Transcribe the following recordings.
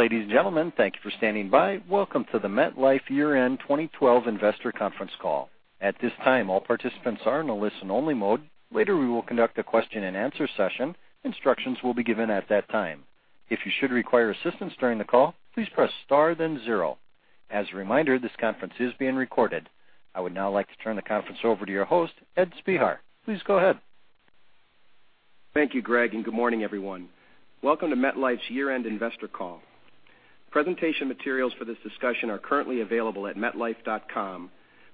Ladies and gentlemen, thank you for standing by. Welcome to the MetLife Year-End 2012 Investor Conference Call. At this time, all participants are in a listen only mode. Later, we will conduct a question and answer session. Instructions will be given at that time. If you should require assistance during the call, please press star then zero. As a reminder, this conference is being recorded. I would now like to turn the conference over to your host, Ed Spehar. Please go ahead. Thank you, Greg, and good morning everyone. Welcome to MetLife's year-end investor call. Presentation materials for this discussion are currently available at metlife.com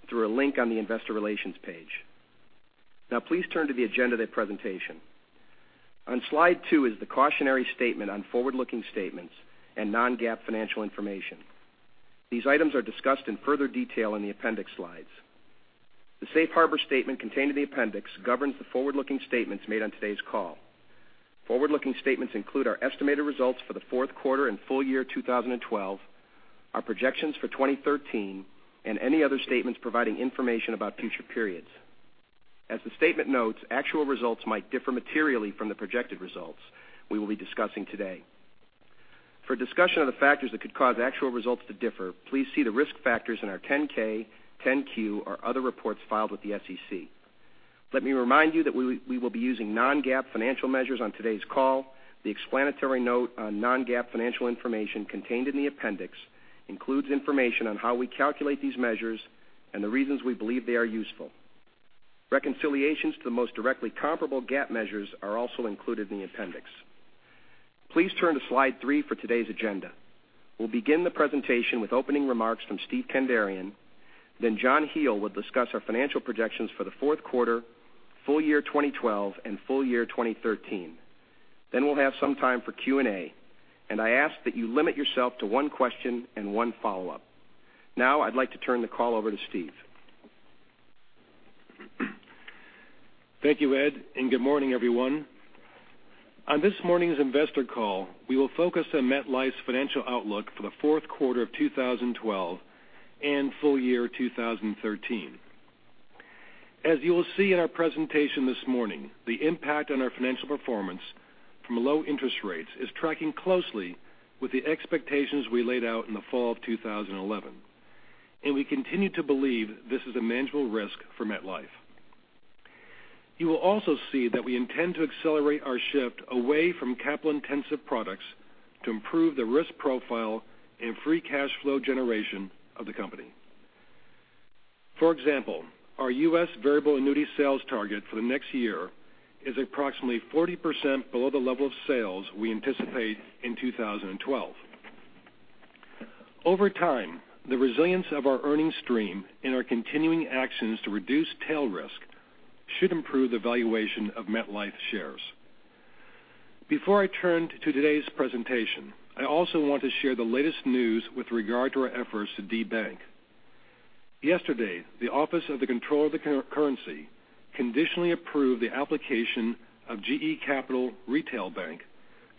through a link on the investor relations page. Please turn to the agenda of that presentation. On slide two is the cautionary statement on forward-looking statements and non-GAAP financial information. These items are discussed in further detail in the appendix slides. The safe harbor statement contained in the appendix governs the forward-looking statements made on today's call. Forward-looking statements include our estimated results for the fourth quarter and full year 2012, our projections for 2013. Any other statements providing information about future periods. As the statement notes, actual results might differ materially from the projected results we will be discussing today. For a discussion of the factors that could cause actual results to differ, please see the risk factors in our 10-K, 10-Q or other reports filed with the SEC. Let me remind you that we will be using non-GAAP financial measures on today's call. The explanatory note on non-GAAP financial information contained in the appendix includes information on how we calculate these measures and the reasons we believe they are useful. Reconciliations to the most directly comparable GAAP measures are also included in the appendix. Please turn to slide three for today's agenda. We'll begin the presentation with opening remarks from Steve Kandarian. John Hele will discuss our financial projections for the fourth quarter, full year 2012, and full year 2013. We'll have some time for Q&A. I ask that you limit yourself to one question and one follow-up. Now I'd like to turn the call over to Steve. Thank you, Ed, and good morning everyone. On this morning's investor call, we will focus on MetLife's financial outlook for the fourth quarter of 2012 and full year 2013. As you will see in our presentation this morning, the impact on our financial performance from low interest rates is tracking closely with the expectations we laid out in the fall of 2011, and we continue to believe this is a manageable risk for MetLife. You will also see that we intend to accelerate our shift away from capital intensive products to improve the risk profile and free cash flow generation of the company. For example, our U.S. variable annuity sales target for the next year is approximately 40% below the level of sales we anticipate in 2012. Over time, the resilience of our earnings stream and our continuing actions to reduce tail risk should improve the valuation of MetLife shares. Before I turn to today's presentation, I also want to share the latest news with regard to our efforts to debank. Yesterday, the Office of the Comptroller of the Currency conditionally approved the application of GE Capital Retail Bank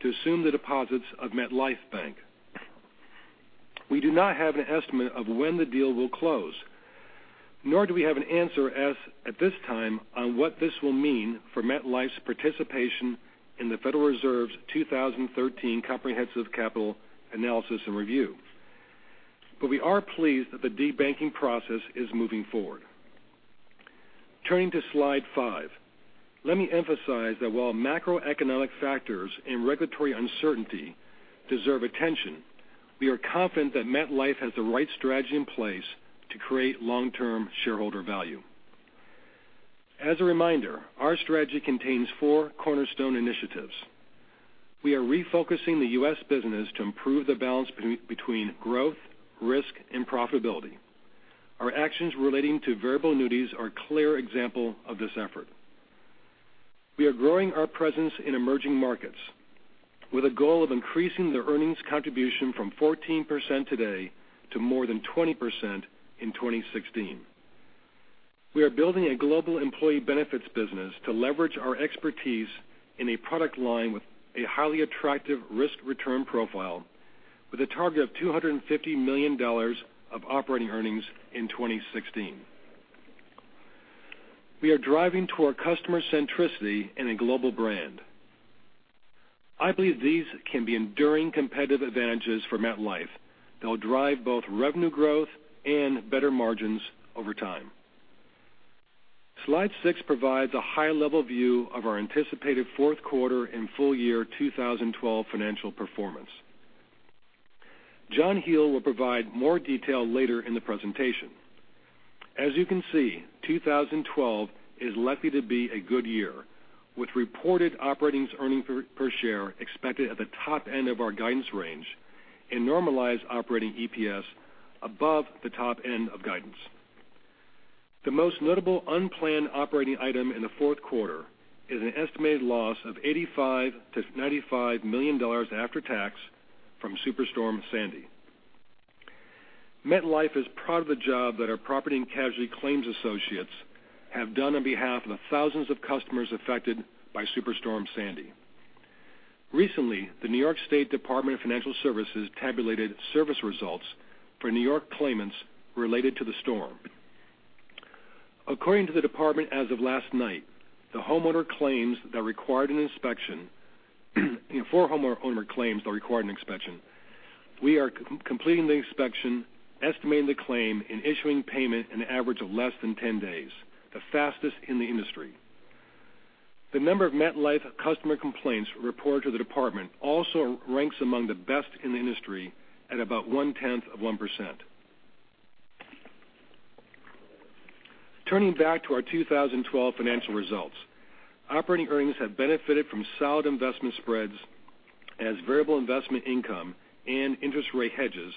to assume the deposits of MetLife Bank. We do not have an estimate of when the deal will close, nor do we have an answer as at this time on what this will mean for MetLife's participation in the Federal Reserve's 2013 Comprehensive Capital Analysis and Review. We are pleased that the debanking process is moving forward. Turning to slide five, let me emphasize that while macroeconomic factors and regulatory uncertainty deserve attention, we are confident that MetLife has the right strategy in place to create long-term shareholder value. As a reminder, our strategy contains four cornerstone initiatives. We are refocusing the U.S. business to improve the balance between growth, risk, and profitability. Our actions relating to variable annuities are a clear example of this effort. We are growing our presence in emerging markets with a goal of increasing their earnings contribution from 14% today to more than 20% in 2016. We are building a global employee benefits business to leverage our expertise in a product line with a highly attractive risk-return profile with a target of $250 million of operating earnings in 2016. We are driving toward customer centricity in a global brand. I believe these can be enduring competitive advantages for MetLife that will drive both revenue growth and better margins over time. Slide six provides a high-level view of our anticipated fourth quarter and full year 2012 financial performance. John Hele will provide more detail later in the presentation. As you can see, 2012 is likely to be a good year with reported operating earnings per share expected at the top end of our guidance range and normalized operating EPS above the top end of guidance. The most notable unplanned operating item in the fourth quarter is an estimated loss of $85 million-$95 million after tax from Superstorm Sandy. MetLife is proud of the job that our property and casualty claims associates have done on behalf of the thousands of customers affected by Superstorm Sandy. Recently, the New York State Department of Financial Services tabulated service results for New York claimants related to the storm. According to the department as of last night, for homeowner claims that required an inspection, we are completing the inspection, estimating the claim, and issuing payment in an average of less than 10 days, the fastest in the industry. The number of MetLife customer complaints reported to the department also ranks among the best in the industry at about one-tenth of 1%. Turning back to our 2012 financial results, operating earnings have benefited from solid investment spreads as variable investment income and interest rate hedges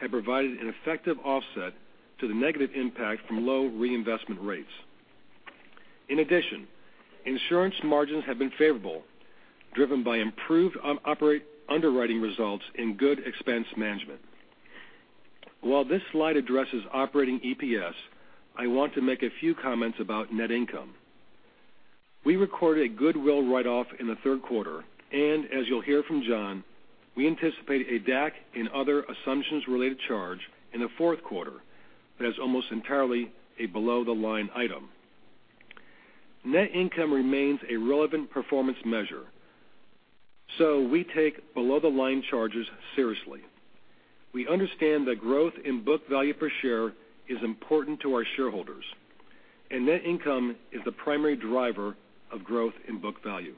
have provided an effective offset to the negative impact from low reinvestment rates. In addition, insurance margins have been favorable, driven by improved underwriting results and good expense management. While this slide addresses operating EPS, I want to make a few comments about net income. We recorded a goodwill write-off in the third quarter, and as you'll hear from John, we anticipate a DAC and other assumptions-related charge in the fourth quarter that is almost entirely a below-the-line item. Net income remains a relevant performance measure. We take below-the-line charges seriously. We understand that growth in book value per share is important to our shareholders. Net income is the primary driver of growth in book value.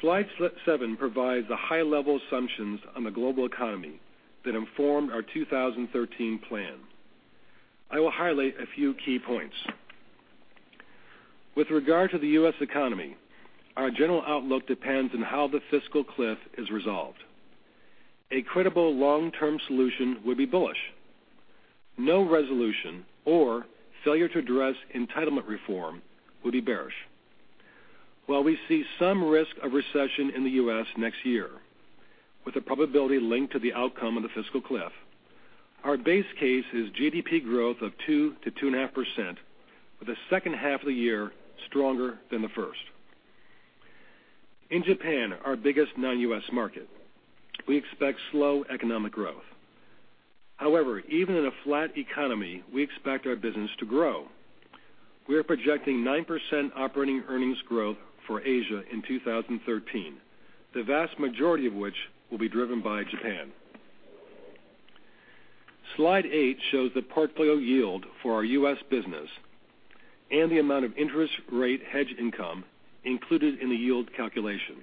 Slide seven provides the high-level assumptions on the global economy that informed our 2013 plan. I will highlight a few key points. With regard to the U.S. economy, our general outlook depends on how the fiscal cliff is resolved. A credible long-term solution would be bullish. No resolution or failure to address entitlement reform would be bearish. While we see some risk of recession in the U.S. next year, with the probability linked to the outcome of the fiscal cliff, our base case is GDP growth of 2%-2.5%, with the second half of the year stronger than the first. In Japan, our biggest non-U.S. market, we expect slow economic growth. However, even in a flat economy, we expect our business to grow. We are projecting 9% operating earnings growth for Asia in 2013, the vast majority of which will be driven by Japan. Slide eight shows the portfolio yield for our U.S. business and the amount of interest rate hedge income included in the yield calculation.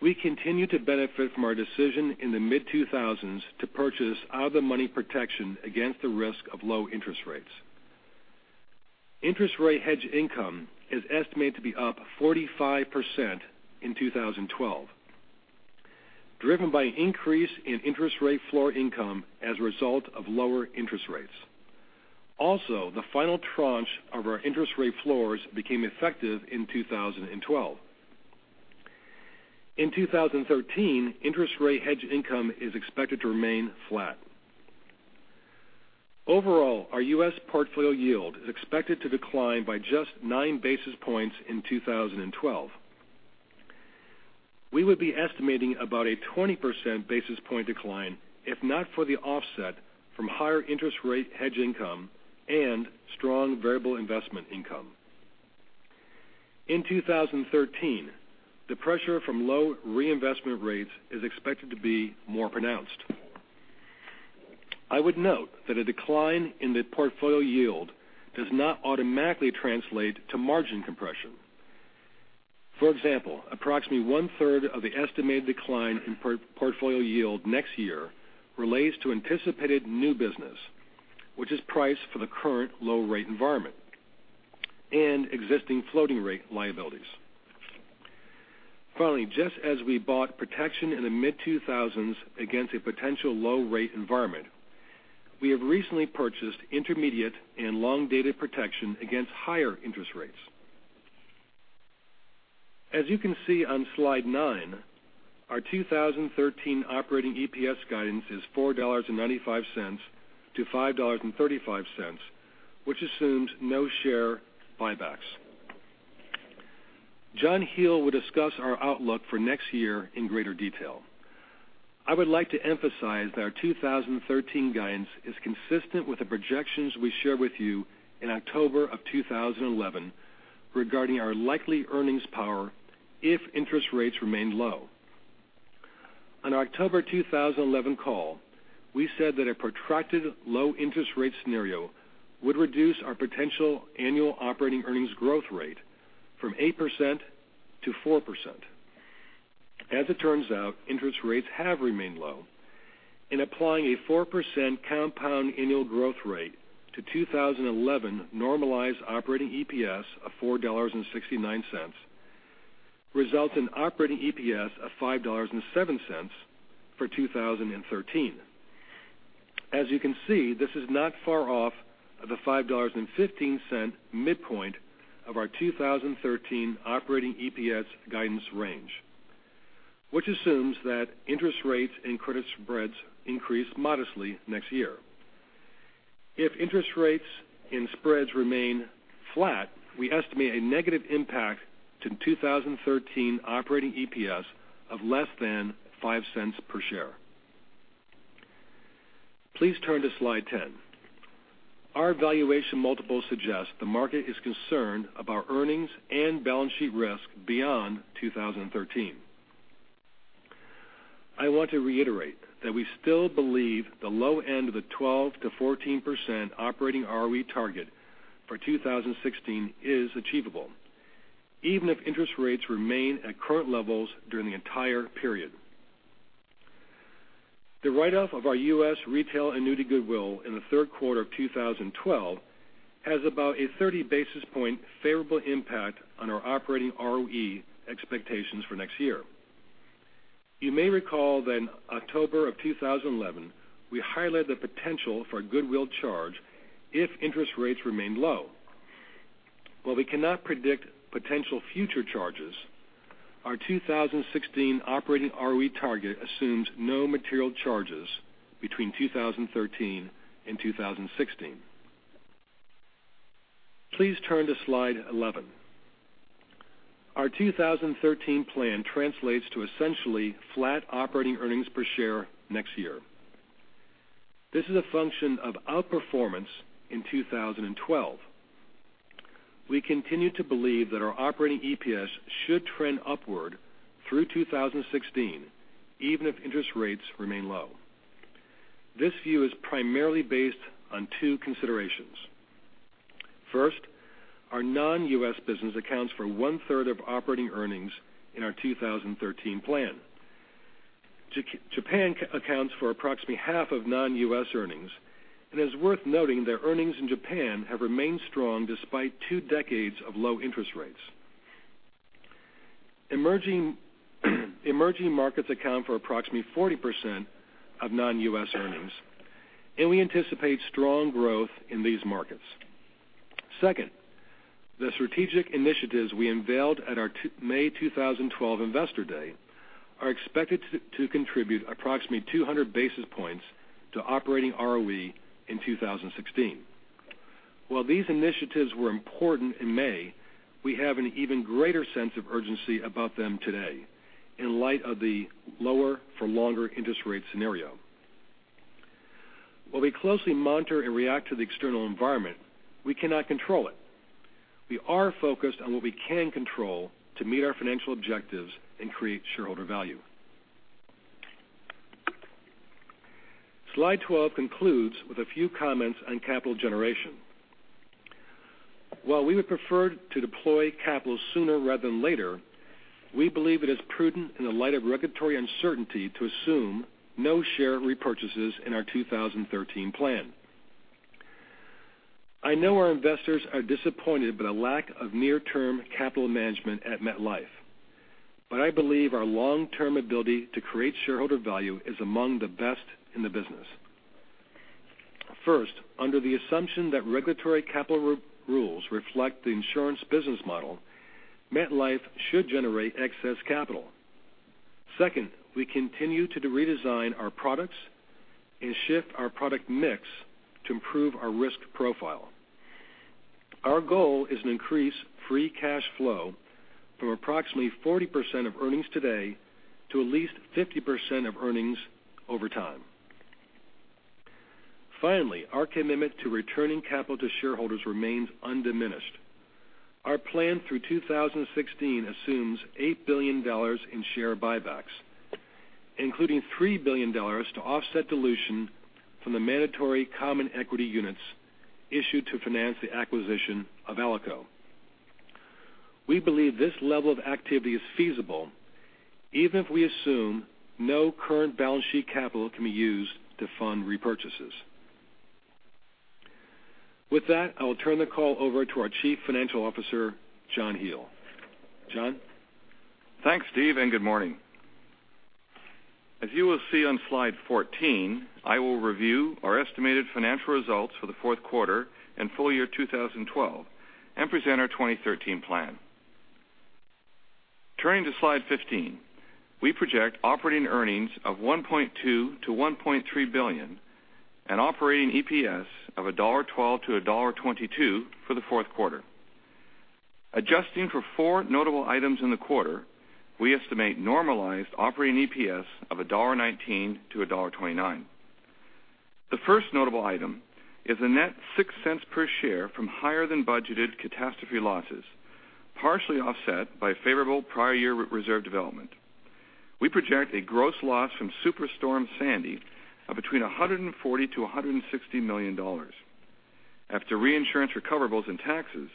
We continue to benefit from our decision in the mid-2000s to purchase out-of-the-money protection against the risk of low interest rates. Interest rate hedge income is estimated to be up 45% in 2012, driven by an increase in interest rate floor income as a result of lower interest rates. Also, the final tranche of our interest rate floors became effective in 2012. In 2013, interest rate hedge income is expected to remain flat. Overall, our U.S. portfolio yield is expected to decline by just nine basis points in 2012. We would be estimating about a 20% basis point decline if not for the offset from higher interest rate hedge income and strong variable investment income. In 2013, the pressure from low reinvestment rates is expected to be more pronounced. I would note that a decline in the portfolio yield does not automatically translate to margin compression. For example, approximately one-third of the estimated decline in portfolio yield next year relates to anticipated new business, which is priced for the current low rate environment and existing floating rate liabilities. Finally, just as we bought protection in the mid-2000s against a potential low rate environment, we have recently purchased intermediate and long-dated protection against higher interest rates. As you can see on slide nine, our 2013 operating EPS guidance is $4.95-$5.35, which assumes no share buybacks. John Hele will discuss our outlook for next year in greater detail. I would like to emphasize that our 2013 guidance is consistent with the projections we shared with you in October of 2011 regarding our likely earnings power if interest rates remained low. On our October 2011 call, we said that a protracted low interest rate scenario would reduce our potential annual operating earnings growth rate from 8% to 4%. As it turns out, interest rates have remained low, and applying a 4% compound annual growth rate to 2011 normalized operating EPS of $4.69 results in operating EPS of $5.07 for 2013. As you can see, this is not far off of the $5.15 midpoint of our 2013 operating EPS guidance range, which assumes that interest rates and credit spreads increase modestly next year. If interest rates and spreads remain Flat, we estimate a negative impact to 2013 operating EPS of less than $0.05 per share. Please turn to slide 10. Our valuation multiple suggests the market is concerned about earnings and balance sheet risk beyond 2013. I want to reiterate that we still believe the low end of the 12%-14% operating ROE target for 2016 is achievable, even if interest rates remain at current levels during the entire period. The write-off of our U.S. retail annuity goodwill in the third quarter of 2012 has about a 30 basis point favorable impact on our operating ROE expectations for next year. You may recall that in October of 2011, we highlighted the potential for a goodwill charge if interest rates remained low. While we cannot predict potential future charges, our 2016 operating ROE target assumes no material charges between 2013 and 2016. Please turn to slide 11. Our 2013 plan translates to essentially flat operating earnings per share next year. This is a function of outperformance in 2012. We continue to believe that our operating EPS should trend upward through 2016, even if interest rates remain low. This view is primarily based on two considerations. First, our non-U.S. business accounts for one-third of operating earnings in our 2013 plan. Japan accounts for approximately half of non-U.S. earnings, and it is worth noting that earnings in Japan have remained strong despite two decades of low interest rates. Emerging markets account for approximately 40% of non-U.S. earnings, and we anticipate strong growth in these markets. Second, the strategic initiatives we unveiled at our May 2012 Investor Day are expected to contribute approximately 200 basis points to operating ROE in 2016. While these initiatives were important in May, we have an even greater sense of urgency about them today in light of the lower for longer interest rate scenario. While we closely monitor and react to the external environment, we cannot control it. We are focused on what we can control to meet our financial objectives and create shareholder value. Slide 12 concludes with a few comments on capital generation. While we would prefer to deploy capital sooner rather than later, we believe it is prudent in the light of regulatory uncertainty to assume no share repurchases in our 2013 plan. I know our investors are disappointed by the lack of near-term capital management at MetLife, but I believe our long-term ability to create shareholder value is among the best in the business. First, under the assumption that regulatory capital rules reflect the insurance business model, MetLife should generate excess capital. Second, we continue to redesign our products and shift our product mix to improve our risk profile. Our goal is to increase free cash flow from approximately 40% of earnings today to at least 50% of earnings over time. Finally, our commitment to returning capital to shareholders remains undiminished. Our plan through 2016 assumes $8 billion in share buybacks, including $3 billion to offset dilution from the mandatory common equity units issued to finance the acquisition of Alico. We believe this level of activity is feasible even if we assume no current balance sheet capital can be used to fund repurchases. With that, I will turn the call over to our Chief Financial Officer, John Hele. John? Thanks, Steve, and good morning. As you will see on slide 14, I will review our estimated financial results for the fourth quarter and full year 2012 and present our 2013 plan. Turning to slide 15, we project operating earnings of $1.2 billion to $1.3 billion and operating EPS of $1.12 to $1.22 for the fourth quarter. Adjusting for four notable items in the quarter, we estimate normalized operating EPS of $1.19 to $1.29. The first notable item is a net $0.06 per share from higher than budgeted catastrophe losses, partially offset by favorable prior year reserve development. We project a gross loss from Superstorm Sandy of between $140 million to $160 million. After reinsurance recoverables and taxes,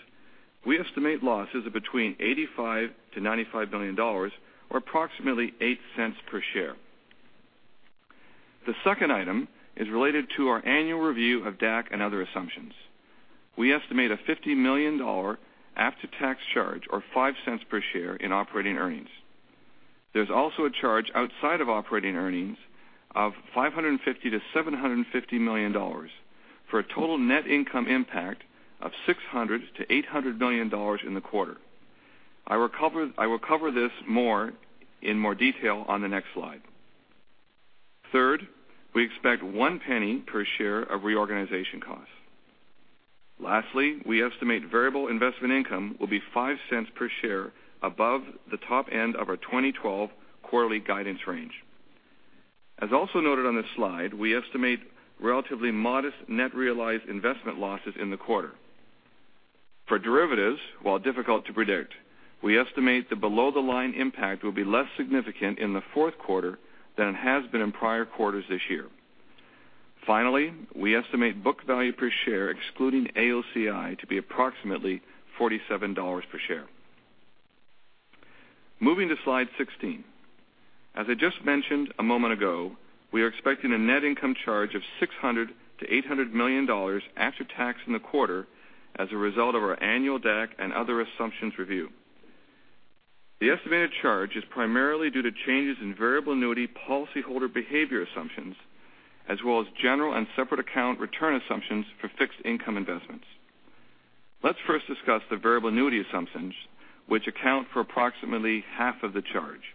we estimate losses of between $85 million to $95 million, or approximately $0.08 per share. The second item is related to our annual review of DAC and other assumptions. We estimate a $50 million after-tax charge or $0.05 per share in operating earnings. There's also a charge outside of operating earnings of $550 million to $750 million for a total net income impact of $600 million to $800 million in the quarter. I will cover this in more detail on the next slide. Third, we expect $0.01 per share of reorganization costs. Lastly, we estimate variable investment income will be $0.05 per share above the top end of our 2012 quarterly guidance range. As also noted on this slide, we estimate relatively modest net realized investment losses in the quarter. For derivatives, while difficult to predict, we estimate the below-the-line impact will be less significant in the fourth quarter than it has been in prior quarters this year. Finally, we estimate book value per share excluding AOCI to be approximately $47 per share. Moving to slide 16. As I just mentioned a moment ago, we are expecting a net income charge of $600 million to $800 million after tax in the quarter as a result of our annual DAC and other assumptions review. The estimated charge is primarily due to changes in variable annuity policyholder behavior assumptions, as well as general and separate account return assumptions for fixed income investments. Let's first discuss the variable annuity assumptions, which account for approximately half of the charge.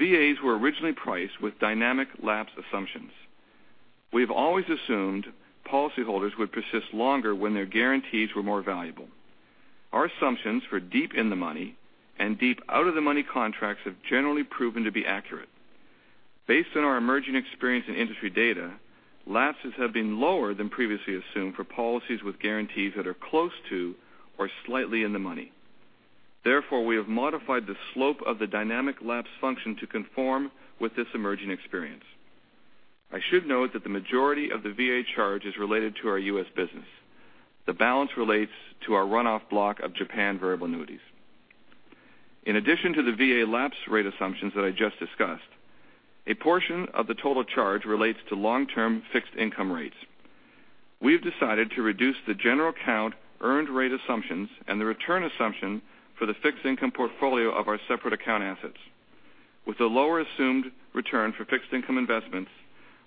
VAs were originally priced with dynamic lapse assumptions. We have always assumed policyholders would persist longer when their guarantees were more valuable. Our assumptions for deep in-the-money and deep out-of-the-money contracts have generally proven to be accurate. Based on our emerging experience in industry data, lapses have been lower than previously assumed for policies with guarantees that are close to or slightly in the money. Therefore, we have modified the slope of the dynamic lapse function to conform with this emerging experience. I should note that the majority of the VA charge is related to our U.S. business. The balance relates to our runoff block of Japan variable annuities. In addition to the VA lapse rate assumptions that I just discussed, a portion of the total charge relates to long-term fixed income rates. We've decided to reduce the general account earned rate assumptions and the return assumption for the fixed income portfolio of our separate account assets. With the lower assumed return for fixed income investments,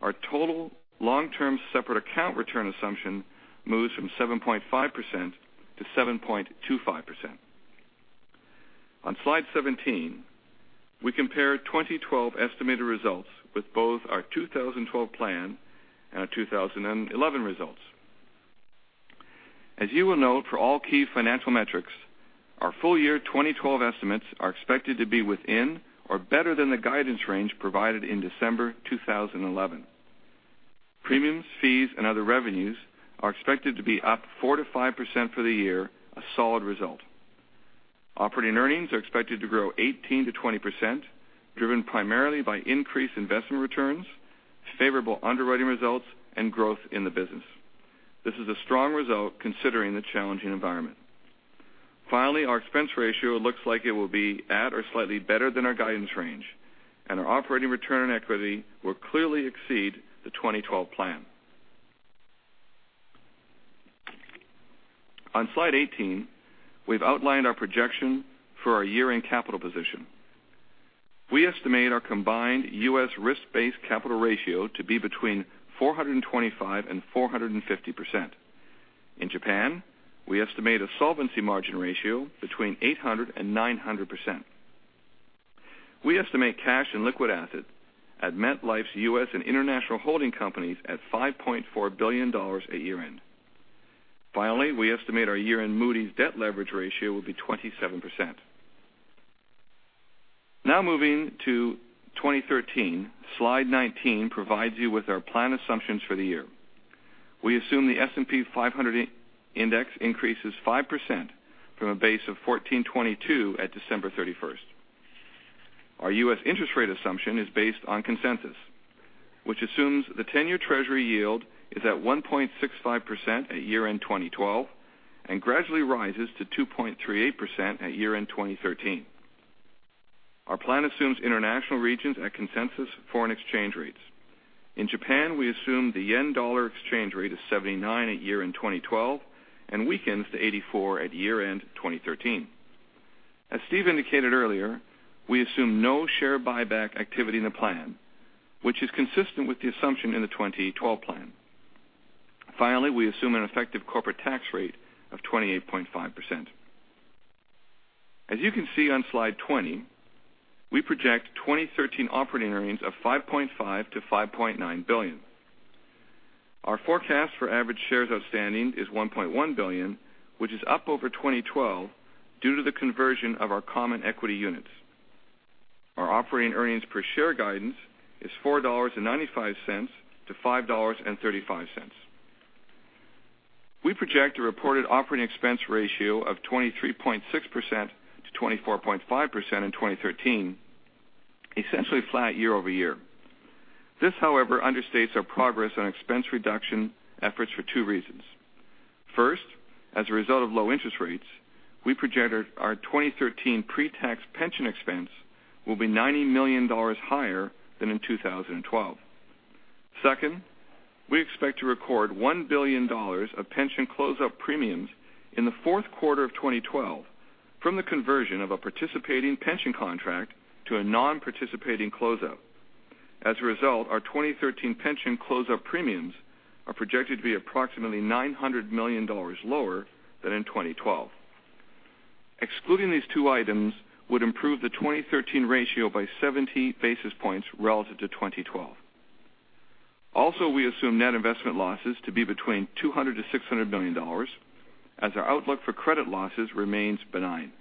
our total long-term separate account return assumption moves from 7.5%-7.25%. On slide 17, we compare 2012 estimated results with both our 2012 plan and our 2011 results. You will note for all key financial metrics, our full-year 2012 estimates are expected to be within or better than the guidance range provided in December 2011. Premiums, fees, and other revenues are expected to be up 4%-5% for the year, a solid result. Operating earnings are expected to grow 18%-20%, driven primarily by increased investment returns, favorable underwriting results, and growth in the business. This is a strong result considering the challenging environment. Finally, our expense ratio looks like it will be at or slightly better than our guidance range, and our operating return on equity will clearly exceed the 2012 plan. On slide 18, we've outlined our projection for our year-end capital position. We estimate our combined U.S. risk-based capital ratio to be between 425%-450%. In Japan, we estimate a solvency margin ratio between 800%-900%. We estimate cash and liquid assets at MetLife's U.S. and international holding companies at $5.4 billion at year-end. Finally, we estimate our year-end Moody's debt leverage ratio will be 27%. Moving to 2013, slide 19 provides you with our plan assumptions for the year. We assume the S&P 500 Index increases 5% from a base of 1,422 at December 31st. Our U.S. interest rate assumption is based on consensus, which assumes the 10-year Treasury yield is at 1.65% at year-end 2012 and gradually rises to 2.38% at year-end 2013. Our plan assumes international regions at consensus foreign exchange rates. In Japan, we assume the yen-dollar exchange rate is 79 at year-end 2012 and weakens to 84 at year-end 2013. As Steve indicated earlier, we assume no share buyback activity in the plan, which is consistent with the assumption in the 2012 plan. Finally, we assume an effective corporate tax rate of 28.5%. You can see on slide 20, we project 2013 operating earnings of $5.5 billion-$5.9 billion. Our forecast for average shares outstanding is 1.1 billion, which is up over 2012 due to the conversion of our common equity units. Our operating earnings per share guidance is $4.95-$5.35. We project a reported operating expense ratio of 23.6%-24.5% in 2013, essentially flat year-over-year. This, however, understates our progress on expense reduction efforts for two reasons. First, as a result of low interest rates, we projected our 2013 pre-tax pension expense will be $90 million higher than in 2012. Second, we expect to record $1 billion of pension close-out premiums in the fourth quarter of 2012 from the conversion of a participating pension contract to a non-participating close-out. As a result, our 2013 pension close-out premiums are projected to be approximately $900 million lower than in 2012. Excluding these two items would improve the 2013 ratio by 70 basis points relative to 2012. We assume net investment losses to be $200 million-$600 million, as our outlook for credit losses remains benign.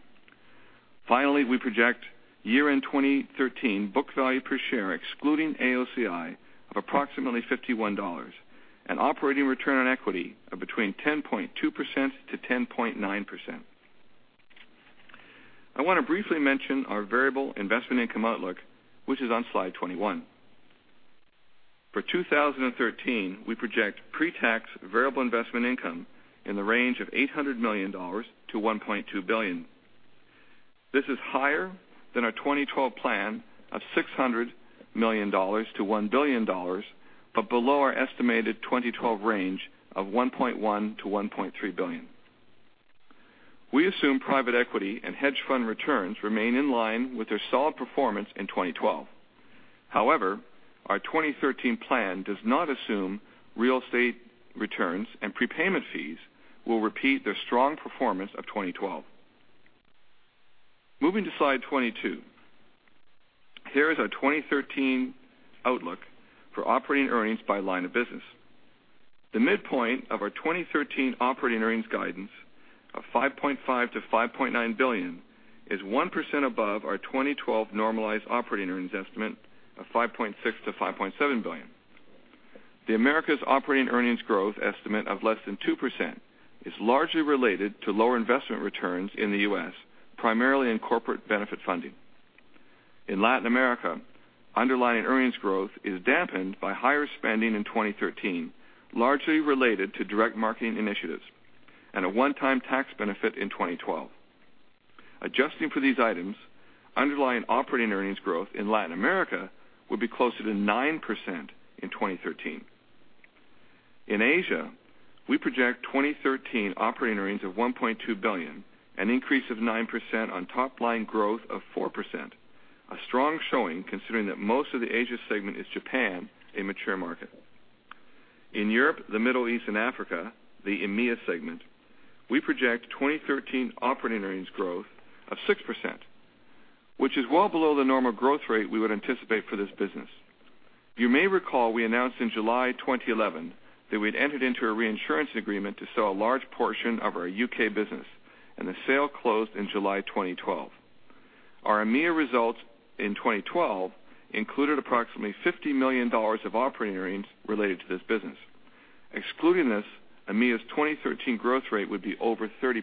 Finally, we project year-end 2013 book value per share, excluding AOCI, of approximately $51, and operating return on equity of 10.2%-10.9%. I want to briefly mention our variable investment income outlook, which is on slide 21. For 2013, we project pre-tax variable investment income in the range of $800 million-$1.2 billion. This is higher than our 2012 plan of $600 million-$1 billion, but below our estimated 2012 range of $1.1 billion-$1.3 billion. We assume private equity and hedge fund returns remain in line with their solid performance in 2012. Our 2013 plan does not assume real estate returns and prepayment fees will repeat their strong performance of 2012. Moving to slide 22, here is our 2013 outlook for operating earnings by line of business. The midpoint of our 2013 operating earnings guidance of $5.5 billion-$5.9 billion is 1% above our 2012 normalized operating earnings estimate of $5.6 billion-$5.7 billion. The Americas operating earnings growth estimate of less than 2% is largely related to lower investment returns in the U.S., primarily in corporate benefit funding. In Latin America, underlying earnings growth is dampened by higher spending in 2013, largely related to direct marketing initiatives and a one-time tax benefit in 2012. Adjusting for these items, underlying operating earnings growth in Latin America will be closer to 9% in 2013. In Asia, we project 2013 operating earnings of $1.2 billion, an increase of 9% on top line growth of 4%, a strong showing considering that most of the Asia segment is Japan, a mature market. In Europe, the Middle East, and Africa, the EMEA segment, we project 2013 operating earnings growth of 6%, which is well below the normal growth rate we would anticipate for this business. You may recall we announced in July 2011 that we'd entered into a reinsurance agreement to sell a large portion of our U.K. business, and the sale closed in July 2012. Our EMEA results in 2012 included approximately $50 million of operating earnings related to this business. Excluding this, EMEA's 2013 growth rate would be over 30%.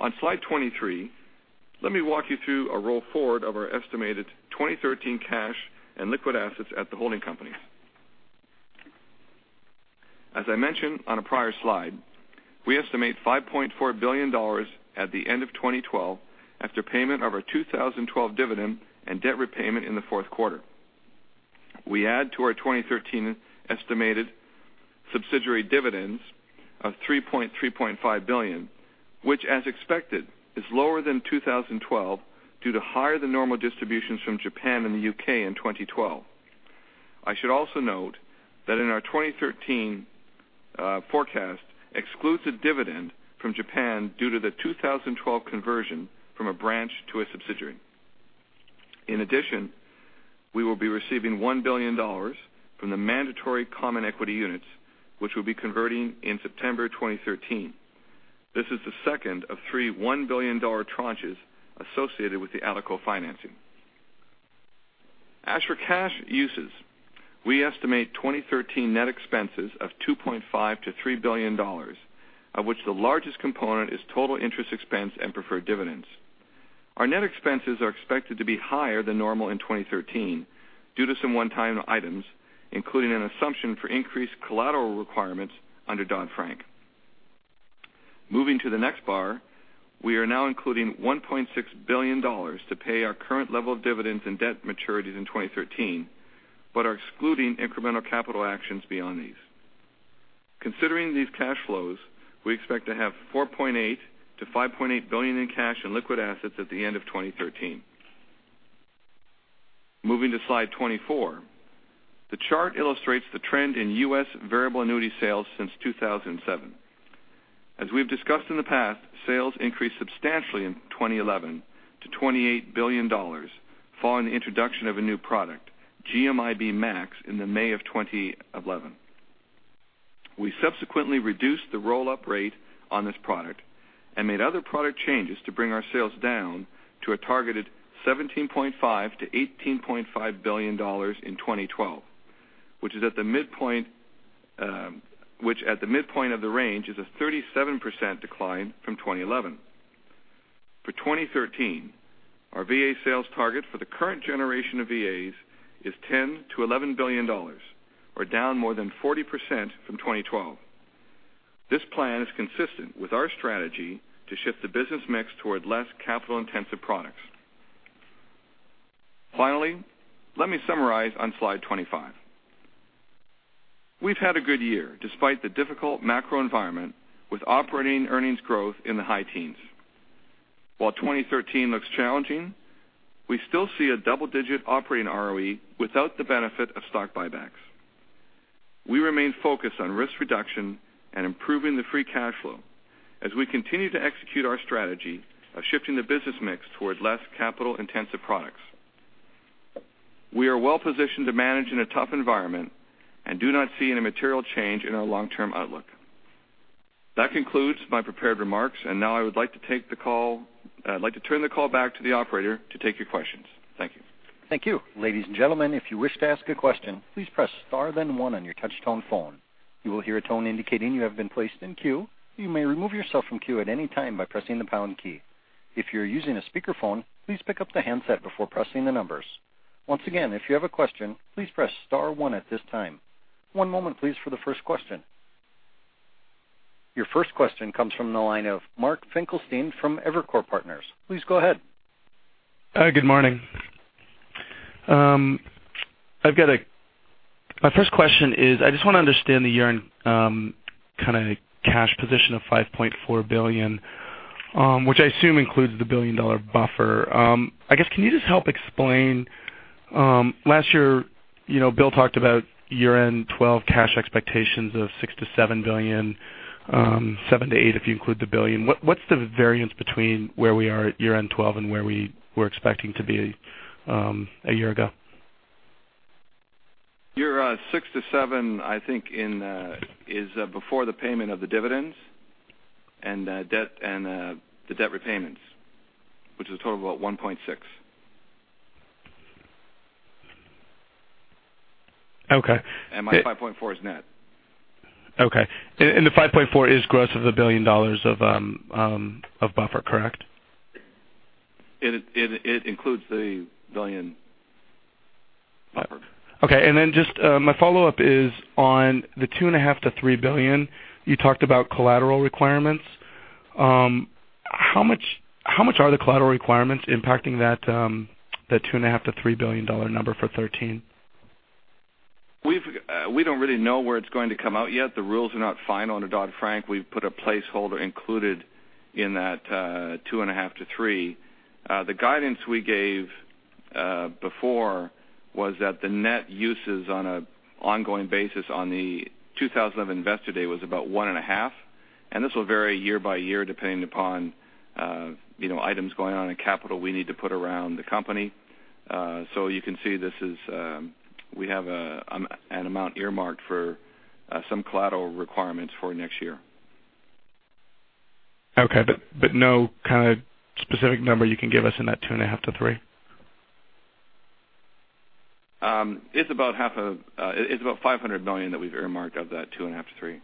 On slide 23, let me walk you through a roll forward of our estimated 2013 cash and liquid assets at the holding company. As I mentioned on a prior slide, we estimate $5.4 billion at the end of 2012 after payment of our 2012 dividend and debt repayment in the fourth quarter. We add to our 2013 estimated subsidiary dividends of $3 billion-$3.5 billion, which as expected, is lower than 2012 due to higher than normal distributions from Japan and the U.K. in 2012. I should also note that in our 2013 forecast, exclusive dividend from Japan due to the 2012 conversion from a branch to a subsidiary. We will be receiving $1 billion from the mandatory common equity units, which will be converting in September 2013. This is the second of three $1 billion tranches associated with the Alico financing. As for cash uses, we estimate 2013 net expenses of $2.5 billion-$3 billion, of which the largest component is total interest expense and preferred dividends. Our net expenses are expected to be higher than normal in 2013 due to some one-time items, including an assumption for increased collateral requirements under Dodd-Frank. Moving to the next bar, we are now including $1.6 billion to pay our current level of dividends and debt maturities in 2013, but are excluding incremental capital actions beyond these. Considering these cash flows, we expect to have $4.8 billion-$5.8 billion in cash and liquid assets at the end of 2013. Moving to slide 24, the chart illustrates the trend in U.S. variable annuity sales since 2007. As we've discussed in the past, sales increased substantially in 2011 to $28 billion following the introduction of a new product, GMIB Max, in May of 2011. We subsequently reduced the roll-up rate on this product and made other product changes to bring our sales down to a targeted $17.5 billion-$18.5 billion in 2012, which at the midpoint of the range, is a 37% decline from 2011. For 2013, our VA sales target for the current generation of VAs is $10 billion-$11 billion, or down more than 40% from 2012. This plan is consistent with our strategy to shift the business mix toward less capital-intensive products. Finally, let me summarize on slide 25. We've had a good year despite the difficult macro environment with operating earnings growth in the high teens. While 2013 looks challenging, we still see a double-digit operating ROE without the benefit of stock buybacks. We remain focused on risk reduction and improving the free cash flow as we continue to execute our strategy of shifting the business mix towards less capital-intensive products. We are well-positioned to manage in a tough environment and do not see any material change in our long-term outlook. That concludes my prepared remarks, and now I would like to turn the call back to the operator to take your questions. Thank you. Thank you. Ladies and gentlemen, if you wish to ask a question, please press star, then one on your touch-tone phone. You will hear a tone indicating you have been placed in queue. You may remove yourself from queue at any time by pressing the pound key. If you're using a speakerphone, please pick up the handset before pressing the numbers. Once again, if you have a question, please press star one at this time. One moment, please, for the first question. Your first question comes from the line of Mark Finkelstein from Evercore Partners. Please go ahead. Hi. Good morning. My first question is, I just want to understand the year-end cash position of $5.4 billion, which I assume includes the billion-dollar buffer. I guess, can you just help explain, last year, Bill talked about year-end 2012 cash expectations of $6 billion-$7 billion, $7 billion-$8 billion if you include the $1 billion. What's the variance between where we are at year-end 2012 and where we were expecting to be a year ago? Year $6 billion-$7 billion, I think is before the payment of the dividends and the debt repayments, which is a total of about $1.6 billion. Okay. My $5.4 billion is net. Okay. The $5.4 billion is gross of the $1 billion of buffer, correct? It includes the billion buffer. Okay. Just my follow-up is on the $2.5 billion-$3 billion. You talked about collateral requirements. How much are the collateral requirements impacting that $2.5 billion-$3 billion number for 2013? We don't really know where it's going to come out yet. The rules are not final under Dodd-Frank. We've put a placeholder included in that $2.5 billion-$3 billion. The guidance we gave before was that the net uses on an ongoing basis on the 2000 investor day was about $1.5 billion, and this will vary year by year, depending upon items going on in capital we need to put around the company. You can see we have an amount earmarked for some collateral requirements for next year. Okay. No specific number you can give us in that $2.5 billion-$3 billion? It's about $500 million that we've earmarked of that two and a half to three.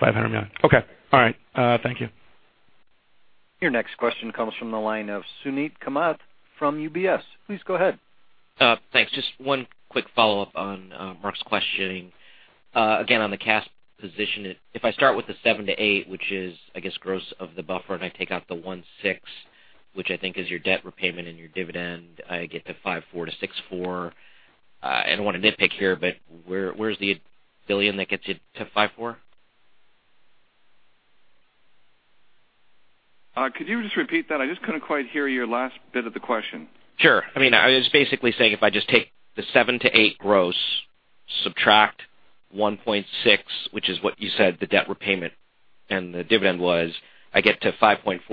$500 million. Okay. All right. Thank you. Your next question comes from the line of Suneet Kamath from UBS. Please go ahead. Thanks. Just one quick follow-up on Mark's questioning. Again, on the cash position, if I start with the $7 billion-$8 billion, which is, I guess, gross of the buffer, I take out the $1.6 billion, which I think is your debt repayment and your dividend, I get to $5.4 billion-$6.4 billion. I don't want to nitpick here, but where's the $1 billion that gets you to $5.4 billion? Could you just repeat that? I just couldn't quite hear your last bit of the question. Sure. I was basically saying if I just take the $7 to $8 gross, subtract $1.6, which is what you said the debt repayment and the dividend was, I get to $5.4 to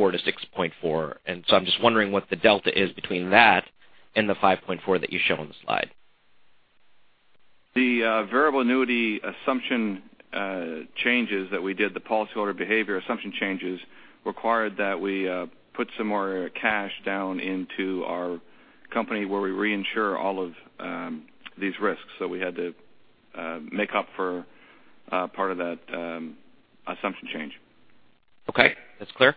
$6.4. I'm just wondering what the delta is between that and the $5.4 that you show on the slide. The variable annuity assumption changes that we did, the policyholder behavior assumption changes, required that we put some more cash down into our company where we reinsure all of these risks. We had to make up for part of that assumption change. Okay. That's clear.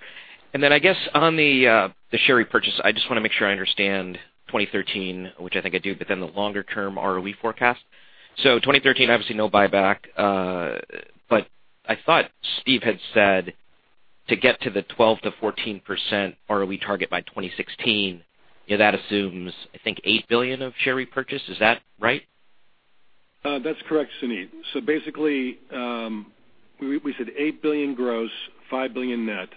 I guess on the share repurchase, I just want to make sure I understand 2013, which I think I do, the longer-term ROE forecast. 2013, obviously no buyback. I thought Steve had said to get to the 12%-14% ROE target by 2016, that assumes, I think, $8 billion of share repurchase. Is that right? That's correct, Suneet. Basically, we said $8 billion gross, $5 billion net,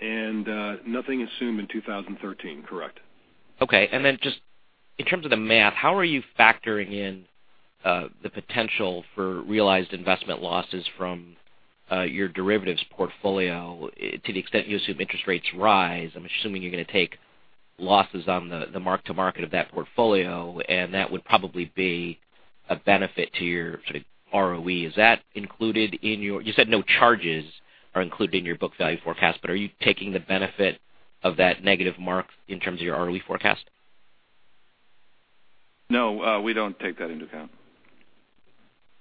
and nothing assumed in 2013. Correct. Okay. Then just in terms of the math, how are you factoring in the potential for realized investment losses from your derivatives portfolio to the extent you assume interest rates rise? I'm assuming you're going to take losses on the mark to market of that portfolio, and that would probably be a benefit to your sort of ROE. You said no charges are included in your book value forecast, but are you taking the benefit of that negative mark in terms of your ROE forecast? No, we don't take that into account.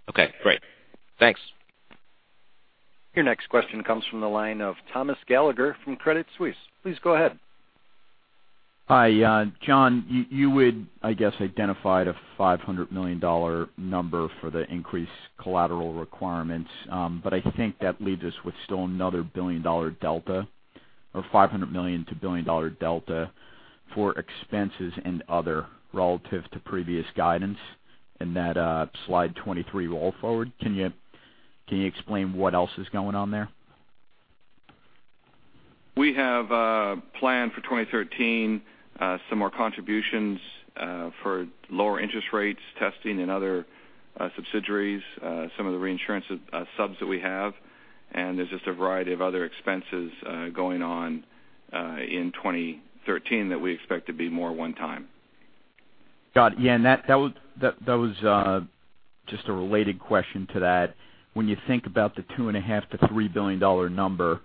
Okay, great. Thanks. Your next question comes from the line of Thomas Gallagher from Credit Suisse. Please go ahead. Hi, John. I guess, identified a $500 million number for the increased collateral requirements. I think that leaves us with still another billion-dollar delta or $500 million to billion-dollar delta for expenses and other relative to previous guidance in that Slide 23 roll forward. Can you explain what else is going on there? We have planned for 2013 some more contributions for lower interest rates testing in other subsidiaries, some of the reinsurance subs that we have, there's just a variety of other expenses going on in 2013 that we expect to be more one time. Got it. Yeah. That was just a related question to that. When you think about the $2.5 billion-$3 billion number,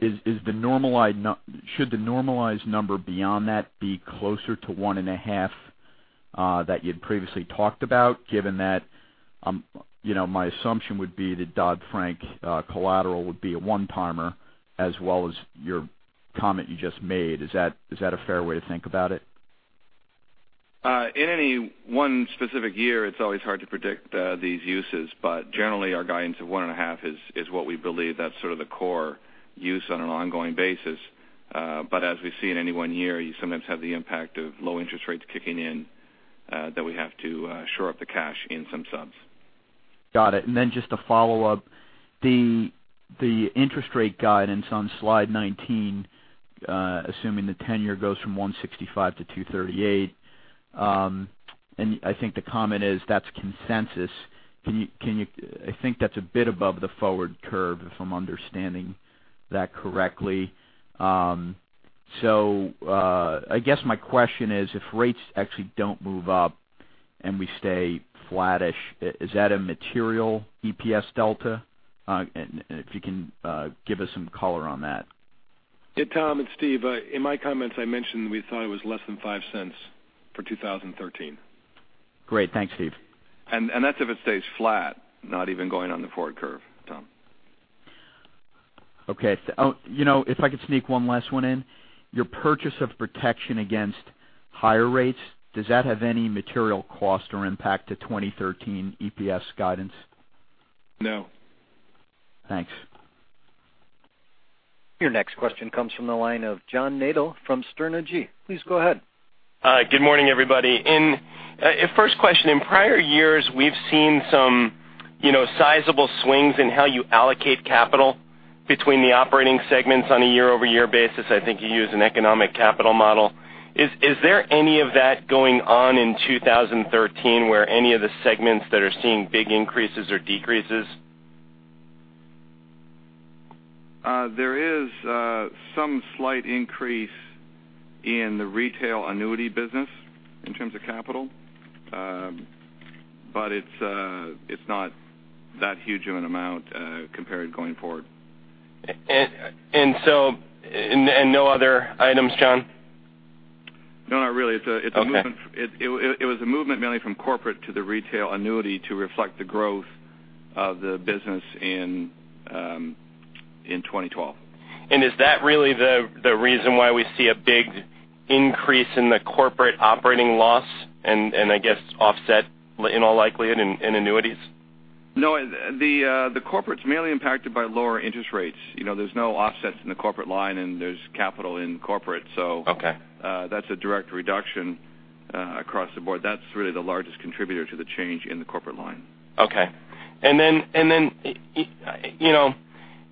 should the normalized number beyond that be closer to $1.5 that you'd previously talked about, given that my assumption would be that Dodd-Frank collateral would be a one-timer, as well as your comment you just made. Is that a fair way to think about it? Generally, our guidance of 1.5 is what we believe. That's sort of the core use on an ongoing basis. As we see in any one year, you sometimes have the impact of low interest rates kicking in that we have to shore up the cash in some subs. Got it. Then just to follow up, the interest rate guidance on slide 19, assuming the 10-year goes from 165 to 238, I think the comment is that's consensus. I think that's a bit above the forward curve, if I'm understanding that correctly. I guess my question is, if rates actually don't move up and we stay flattish, is that a material EPS delta? If you can give us some color on that. Yeah, Tom, it's Steve. In my comments, I mentioned we thought it was less than $0.05 for 2013. Great. Thanks, Steve. That's if it stays flat, not even going on the forward curve, Tom. Okay. If I could sneak one last one in. Your purchase of protection against higher rates, does that have any material cost or impact to 2013 EPS guidance? No. Thanks. Your next question comes from the line of John Nadel from Sterne Agee. Please go ahead. Hi. Good morning, everybody. First question. In prior years, we've seen some sizable swings in how you allocate capital between the operating segments on a year-over-year basis. I think you use an economic capital model. Is there any of that going on in 2013 where any of the segments that are seeing big increases or decreases? There is some slight increase in the retail annuity business in terms of capital. It's not that huge of an amount compared going forward. No other items, John? No, not really. Okay. It was a movement mainly from corporate to the retail annuity to reflect the growth of the business in 2012. Is that really the reason why we see a big increase in the corporate operating loss and I guess offset in all likelihood in annuities? No, the corporate's mainly impacted by lower interest rates. There's no offsets in the corporate line and there's capital in corporate. Okay. That's a direct reduction across the board. That's really the largest contributor to the change in the corporate line. Okay.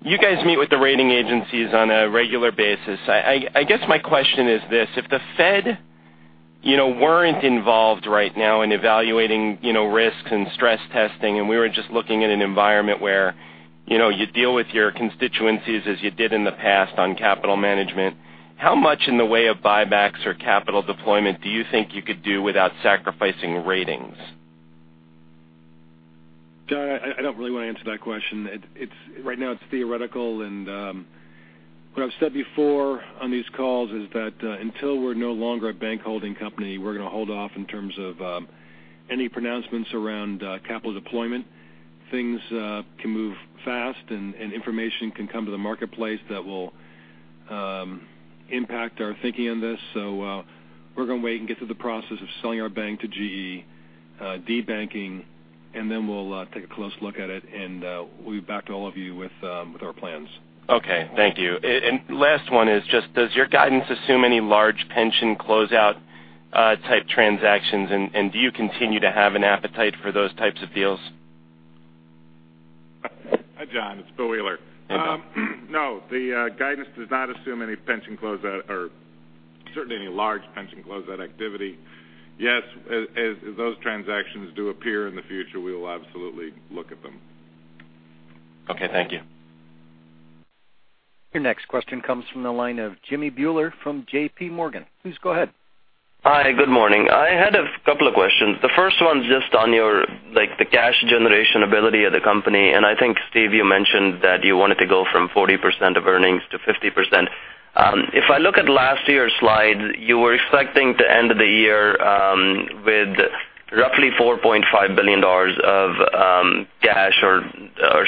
You guys meet with the rating agencies on a regular basis. I guess my question is this, if the Fed weren't involved right now in evaluating risks and stress testing and we were just looking at an environment where you deal with your constituencies as you did in the past on capital management, how much in the way of buybacks or capital deployment do you think you could do without sacrificing ratings? John, I don't really want to answer that question. Right now it's theoretical and what I've said before on these calls is that until we're no longer a bank holding company, we're going to hold off in terms of any pronouncements around capital deployment. Things can move fast and information can come to the marketplace that will impact our thinking on this. We're going to wait and get through the process of selling our bank to GE, debanking, and then we'll take a close look at it and we'll be back to all of you with our plans. Okay. Thank you. Last one is just does your guidance assume any large pension closeout type transactions and do you continue to have an appetite for those types of deals? Hi, John, it's Bill Wheeler. Hi, Bill. No, the guidance does not assume any pension closeout or certainly any large pension closeout activity. Yes, as those transactions do appear in the future, we will absolutely look at them. Okay. Thank you. Your next question comes from the line of Jimmy Bhullar from JP Morgan. Please go ahead. Hi. Good morning. I had a couple of questions. The first one's just on your, the cash generation ability of the company and I think, Steve, you mentioned that you wanted to go from 40% of earnings to 50%. If I look at last year's slide, you were expecting to end the year with roughly $4.5 billion of cash or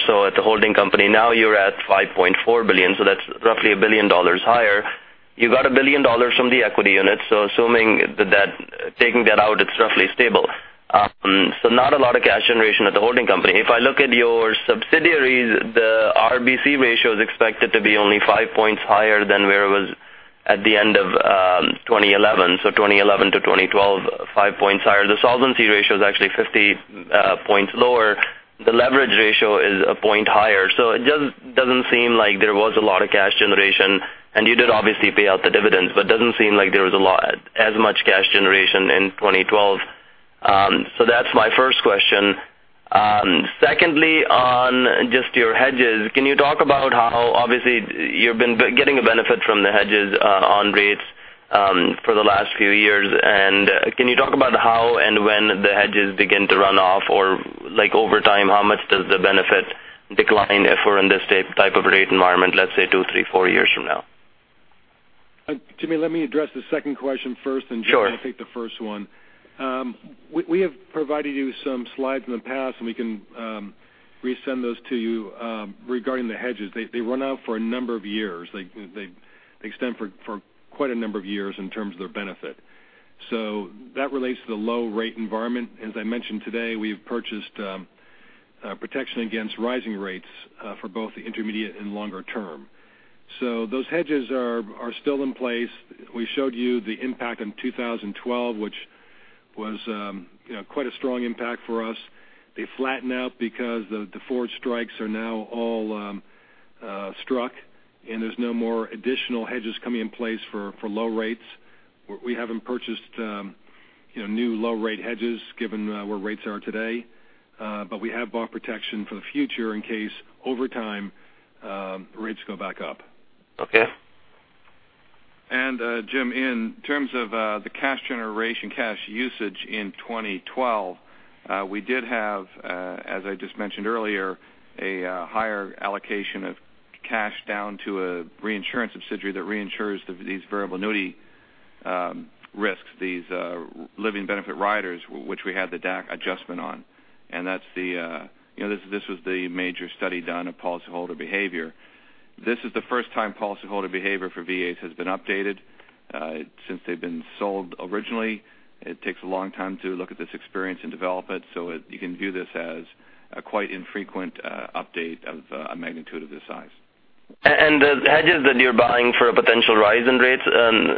so at the holding company. Now you're at $5.4 billion, so that's roughly $1 billion higher. You got $1 billion from the equity unit, so assuming that taking that out, it's roughly stable. Not a lot of cash generation at the holding company. If I look at your subsidiaries, the RBC ratio is expected to be only five points higher than where it was at the end of 2011. 2011 to 2012, five points higher. The solvency ratio is actually 50 points lower. The leverage ratio is a point higher. It doesn't seem like there was a lot of cash generation. You did obviously pay out the dividends, but it doesn't seem like there was as much cash generation in 2012. That's my first question. Secondly, on just your hedges, can you talk about how, obviously, you've been getting a benefit from the hedges on rates for the last few years. Can you talk about how and when the hedges begin to run off? Or over time, how much does the benefit decline if we're in this type of rate environment, let's say, two, three, four years from now? Jimmy, let me address the second question first- Sure I can take the first one. We have provided you some slides in the past. We can resend those to you regarding the hedges. They run out for a number of years. They extend for quite a number of years in terms of their benefit. That relates to the low-rate environment. As I mentioned today, we've purchased protection against rising rates for both the intermediate and longer term. Those hedges are still in place. We showed you the impact in 2012, which was quite a strong impact for us. They flatten out because the forward strikes are now all struck, there's no more additional hedges coming in place for low rates. We haven't purchased new low-rate hedges given where rates are today. We have bought protection for the future in case over time, rates go back up. Okay. Jim, in terms of the cash generation, cash usage in 2012, we did have, as I just mentioned earlier, a higher allocation of cash down to a reinsurance subsidiary that reinsures these variable annuity risks, these living benefit riders, which we had the DAC adjustment on. This was the major study done of policyholder behavior. This is the first time policyholder behavior for VAs has been updated since they've been sold originally. It takes a long time to look at this experience and develop it, so you can view this as a quite infrequent update of a magnitude of this size. The hedges that you're buying for a potential rise in rates,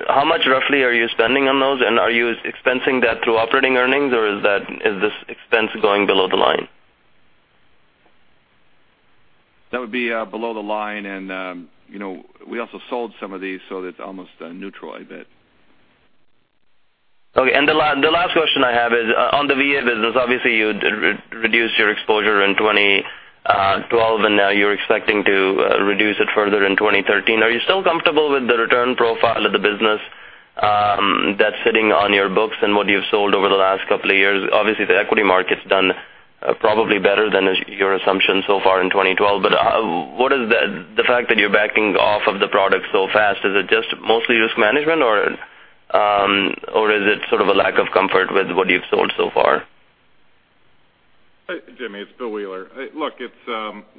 how much roughly are you spending on those? Are you expensing that through operating earnings or is this expense going below the line? That would be below the line. We also sold some of these, so it's almost neutral a bit. Okay. The last question I have is on the VA business. Obviously, you reduced your exposure in 2012, and now you're expecting to reduce it further in 2013. Are you still comfortable with the return profile of the business that's sitting on your books and what you've sold over the last couple of years? Obviously, the equity market's done probably better than your assumption so far in 2012. The fact that you're backing off of the product so fast, is it just mostly risk management or is it sort of a lack of comfort with what you've sold so far? Jimmy, it's Bill Wheeler. Look,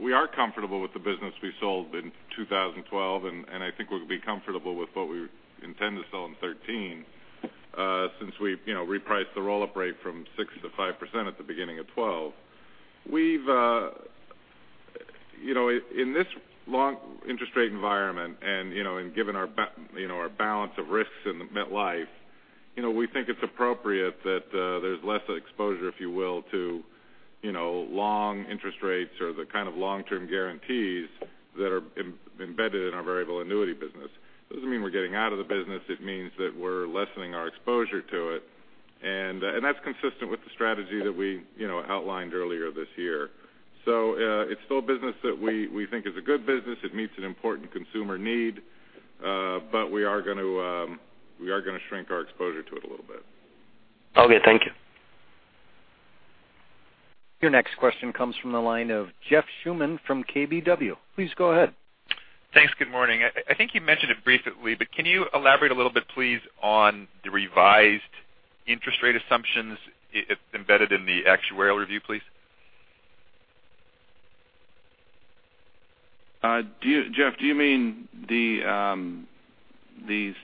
we are comfortable with the business we sold in 2012, and I think we'll be comfortable with what we intend to sell in 2013 since we've repriced the roll-up rate from 6% to 5% at the beginning of 2012. In this long interest rate environment, and given our balance of risks in MetLife, we think it's appropriate that there's less exposure, if you will, to long interest rates or the kind of long-term guarantees that are embedded in our variable annuity business. It doesn't mean we're getting out of the business. It means that we're lessening our exposure to it. That's consistent with the strategy that we outlined earlier this year. It's still a business that we think is a good business. It meets an important consumer need. We are going to shrink our exposure to it a little bit. Okay, thank you. Your next question comes from the line of Jeff Schuman from KBW. Please go ahead. Thanks. Good morning. I think you mentioned it briefly, but can you elaborate a little bit, please, on the revised interest rate assumptions embedded in the actuarial review, please? Jeff, do you mean these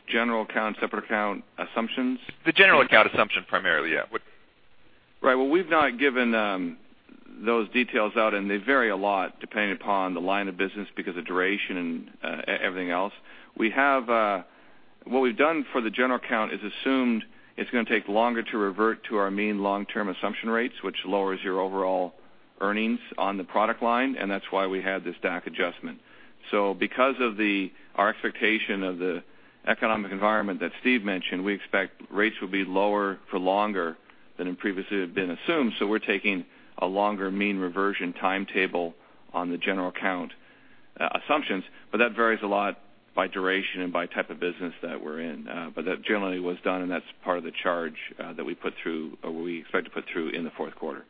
general account, separate account assumptions? The general account assumption primarily, yeah. Right. Well, we've not given those details out, and they vary a lot depending upon the line of business because of duration and everything else. What we've done for the general account is assumed it's going to take longer to revert to our mean long-term assumption rates, which lowers your overall earnings on the product line, and that's why we had this DAC adjustment. Because of our expectation of the economic environment that Steve mentioned, we expect rates will be lower for longer than had previously been assumed. We're taking a longer mean reversion timetable on the general account assumptions, but that varies a lot by duration and by type of business that we're in. That generally was done, and that's part of the charge that we put through, or we expect to put through in the fourth quarter.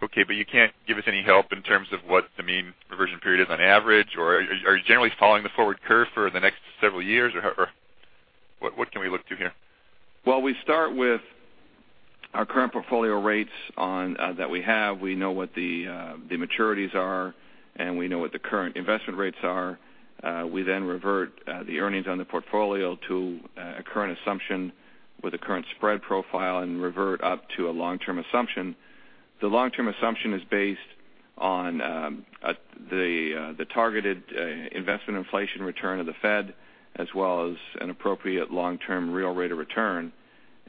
Okay, you can't give us any help in terms of what the mean reversion period is on average? Are you generally following the forward curve for the next several years? What can we look to here? Well, we start with our current portfolio rates that we have. We know what the maturities are, and we know what the current investment rates are. We then revert the earnings on the portfolio to a current assumption with the current spread profile and revert up to a long-term assumption. The long-term assumption is based on the targeted investment inflation return of the Fed, as well as an appropriate long-term real rate of return.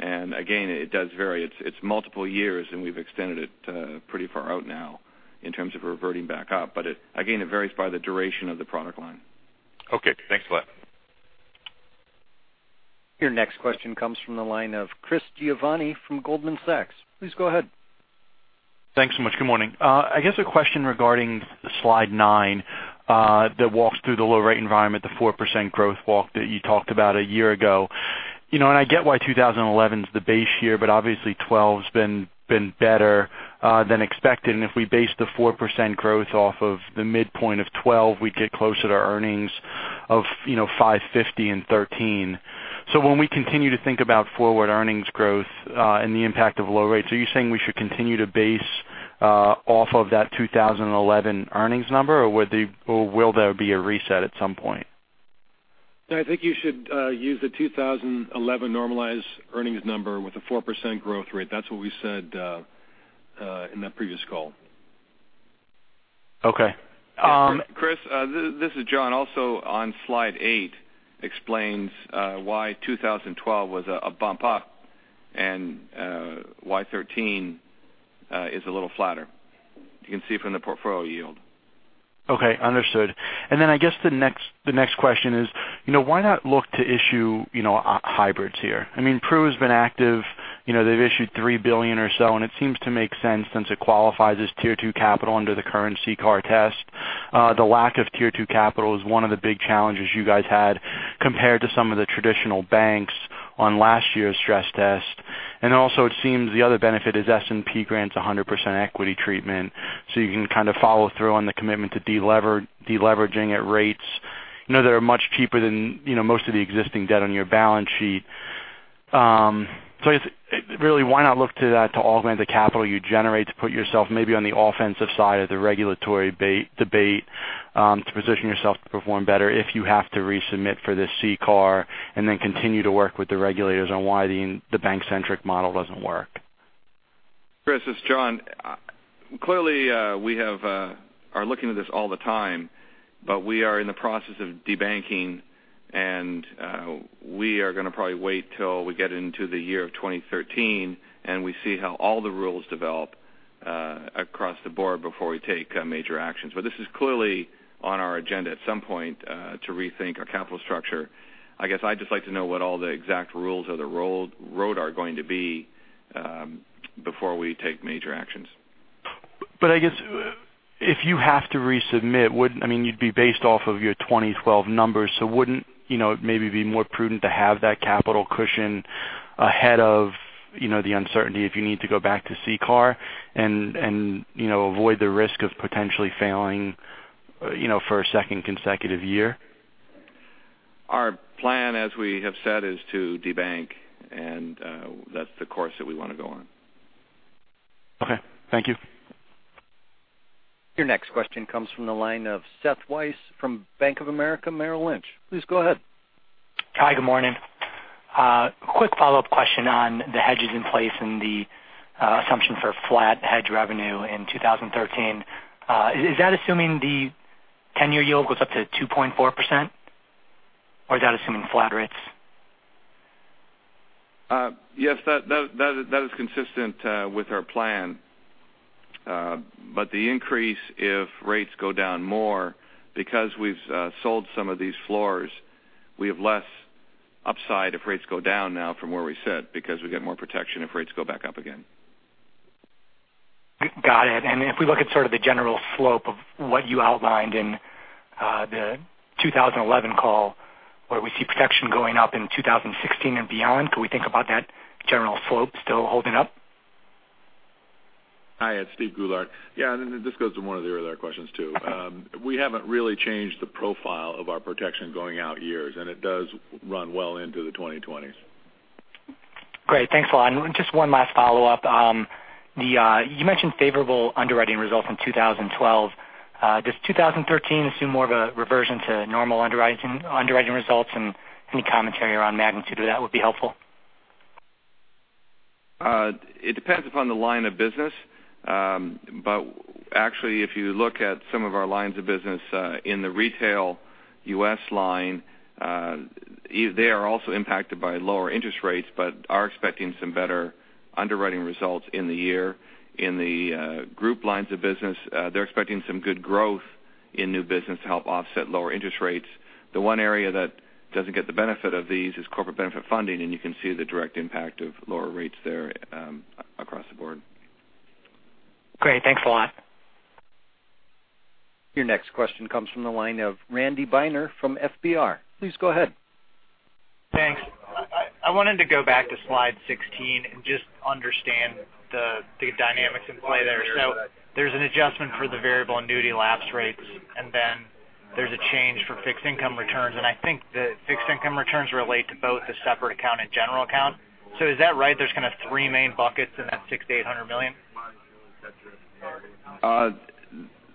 Again, it does vary. It's multiple years, and we've extended it pretty far out now in terms of reverting back up. Again, it varies by the duration of the product line. Okay. Thanks a lot. Your next question comes from the line of Chris Giovanni from Goldman Sachs. Please go ahead. Thanks so much. Good morning. I guess a question regarding slide nine that walks through the low rate environment, the 4% growth walk that you talked about a year ago. I get why 2011 is the base year, but obviously 2012's been better than expected. If we base the 4% growth off of the midpoint of 2012, we'd get closer to earnings of $550 in 2013. When we continue to think about forward earnings growth and the impact of low rates, are you saying we should continue to base off of that 2011 earnings number, or will there be a reset at some point? I think you should use the 2011 normalized earnings number with a 4% growth rate. That's what we said in that previous call. Okay. Chris, this is John. On Slide 8 explains why 2012 was a bump up and why 2013 is a little flatter. You can see from the portfolio yield. Okay, understood. Then I guess the next question is, why not look to issue hybrids here? I mean, Pru has been active. They've issued $3 billion or so, and it seems to make sense since it qualifies as Tier 2 capital under the current CCAR test. The lack of Tier 2 capital is one of the big challenges you guys had compared to some of the traditional banks on last year's stress test. Also, it seems the other benefit is S&P grants 100% equity treatment, so you can kind of follow through on the commitment to de-leveraging at rates that are much cheaper than most of the existing debt on your balance sheet. I guess really why not look to that to augment the capital you generate to put yourself maybe on the offensive side of the regulatory debate to position yourself to perform better if you have to resubmit for this CCAR then continue to work with the regulators on why the bank-centric model doesn't work? Chris, it's John. Clearly, we are looking at this all the time, we are in the process of de-banking, we are going to probably wait till we get into the year of 2013, we see how all the rules develop across the board before we take major actions. This is clearly on our agenda at some point to rethink our capital structure. I guess I'd just like to know what all the exact rules of the road are going to be before we take major actions. I guess if you have to resubmit, you'd be based off of your 2012 numbers, wouldn't it maybe be more prudent to have that capital cushion ahead of the uncertainty if you need to go back to CCAR and avoid the risk of potentially failing for a second consecutive year? Our plan, as we have said, is to de-bank, and that's the course that we want to go on. Okay. Thank you. Your next question comes from the line of Seth Weiss from Bank of America Merrill Lynch. Please go ahead. Hi, good morning. Quick follow-up question on the hedges in place and the assumption for flat hedge revenue in 2013. Is that assuming the 10-year yield goes up to 2.4% or is that assuming flat rates? Yes, that is consistent with our plan. The increase if rates go down more because we've sold some of these floors, we have less upside if rates go down now from where we sit because we get more protection if rates go back up again. Got it. If we look at sort of the general slope of what you outlined in the 2011 call where we see protection going up in 2016 and beyond, can we think about that general slope still holding up? Hi, it's Steve Kandarian. Yeah, this goes to one of the other questions too. We haven't really changed the profile of our protection going out years, it does run well into the 2020s. Great. Thanks a lot. Just one last follow-up. You mentioned favorable underwriting results in 2012. Does 2013 assume more of a reversion to normal underwriting results? Any commentary around magnitude of that would be helpful. It depends upon the line of business. Actually, if you look at some of our lines of business in the retail U.S. line they are also impacted by lower interest rates but are expecting some better underwriting results in the year. In the group lines of business, they're expecting some good growth in new business to help offset lower interest rates. The one area that doesn't get the benefit of these is corporate benefit funding, and you can see the direct impact of lower rates there across the board. Great. Thanks a lot. Your next question comes from the line of Randy Binner from FBR. Please go ahead. Thanks. I wanted to go back to slide 16 and just understand the dynamics in play there. There's an adjustment for the variable annuity lapse rates, there's a change for fixed income returns. I think the fixed income returns relate to both the separate account and general account. Is that right? There's kind of three main buckets in that $6,800 million.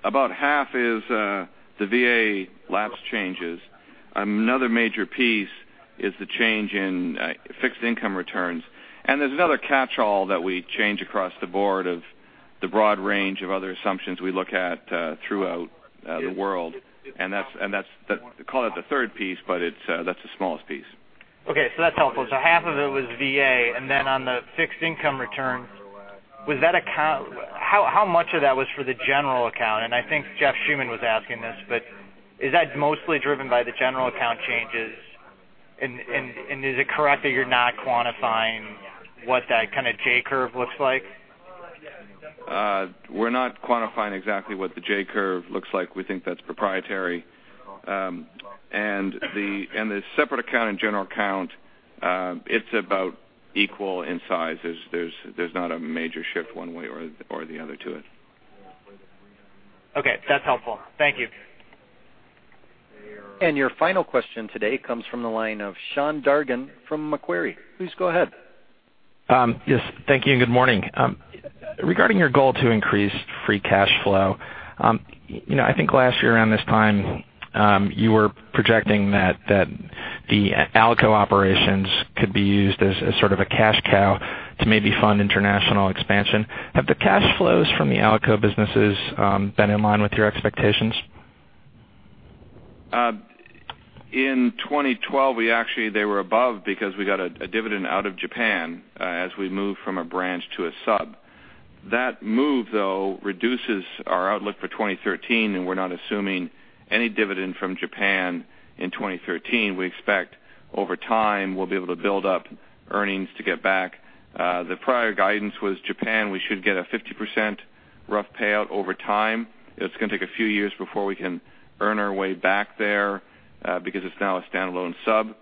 About half is the VA lapse changes. Another major piece is the change in fixed income returns. There's another catch-all that we change across the board of the broad range of other assumptions we look at throughout the world, call it the third piece, but that's the smallest piece. Okay. That's helpful. Half of it was VA, on the fixed income return, how much of that was for the general account? I think Jeff Schuman was asking this, is that mostly driven by the general account changes? Is it correct that you're not quantifying what that kind of J curve looks like? We're not quantifying exactly what the J curve looks like. We think that's proprietary. The separate account and general account, it's about equal in size. There's not a major shift one way or the other to it. Okay. That's helpful. Thank you. Your final question today comes from the line of Sean Dargan from Macquarie. Please go ahead. Yes. Thank you and good morning. Regarding your goal to increase free cash flow, I think last year around this time, you were projecting that the Alico operations could be used as sort of a cash cow to maybe fund international expansion. Have the cash flows from the Alico businesses been in line with your expectations? In 2012, actually, they were above because we got a dividend out of Japan as we moved from a branch to a sub. That move, though, reduces our outlook for 2013. We're not assuming any dividend from Japan in 2013. We expect over time we'll be able to build up earnings to get back. The prior guidance was Japan, we should get a 50% rough payout over time. It's going to take a few years before we can earn our way back there because it's now a standalone sub.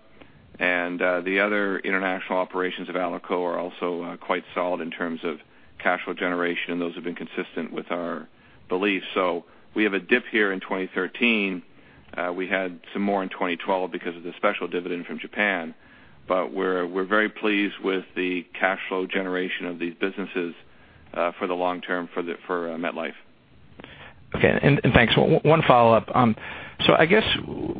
The other international operations of Alico are also quite solid in terms of cash flow generation, and those have been consistent with our beliefs. We have a dip here in 2013. We had some more in 2012 because of the special dividend from Japan. We're very pleased with the cash flow generation of these businesses for the long term for MetLife. Okay. Thanks. One follow-up. I guess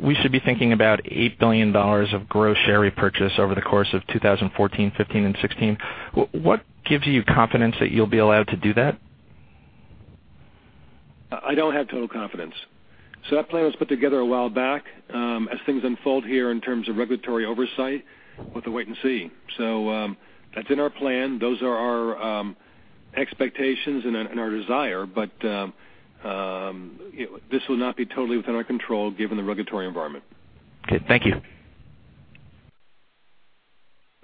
we should be thinking about $8 billion of gross share repurchase over the course of 2014, 2015, and 2016. What gives you confidence that you'll be allowed to do that? I don't have total confidence. That plan was put together a while back. As things unfold here in terms of regulatory oversight, we'll have to wait and see. That's in our plan. Those are our expectations and our desire. This will not be totally within our control given the regulatory environment. Okay. Thank you.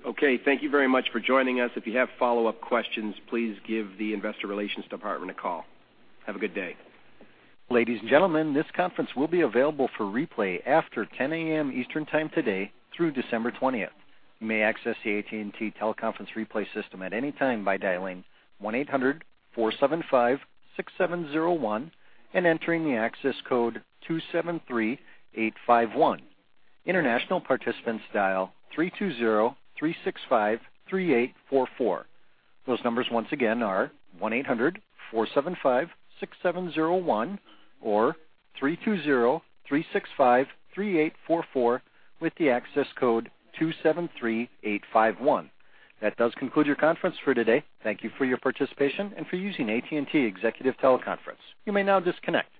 Okay. Thank you very much for joining us. If you have follow-up questions, please give the investor relations department a call. Have a good day. Ladies and gentlemen, this conference will be available for replay after 10:00 A.M. Eastern time today through December 20th. You may access the AT&T teleconference replay system at any time by dialing 1-800-475-6701 and entering the access code 273851. International participants dial 320-365-3844. Those numbers once again are 1-800-475-6701 or 320-365-3844 with the access code 273851. That does conclude your conference for today. Thank you for your participation and for using AT&T Executive Teleconference. You may now disconnect.